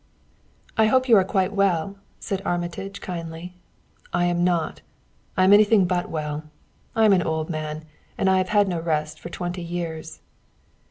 "I hope you are quite well," said Armitage kindly. "I am not. I am anything but well. I am an old man, and I have had no rest for twenty years."